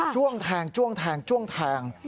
้วงแทงจ้วงแทงจ้วงแทง